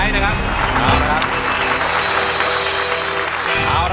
ไม่ใช้ค่ะไม่ใช้นะครับเอาละครับ